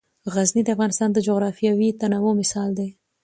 غزني د افغانستان د جغرافیوي تنوع مثال دی.